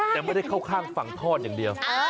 แต่ไม่ได้เข้าข้างฝั่งทอดอย่างเดียว